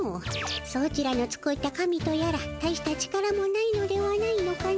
ソチらの作った神とやらたいした力もないのではないのかの？